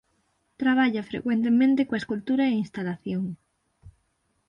Traballa frecuentemente coa escultura e a instalación.